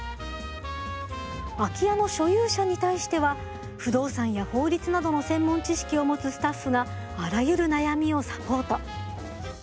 空き家の所有者に対しては不動産や法律などの専門知識を持つスタッフがあらゆる悩みをサポート。